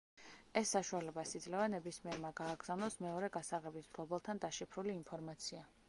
ეს საშუალებას იძლევა ნებისმიერმა გააგზავნოს მეორე გასაღების მფლობელთან დაშიფრული ინფორმაცია.